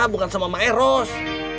bukan sama maeros